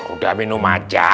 udah minum aja